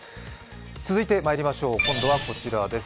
続いてまいりましょう、今度はこちらです。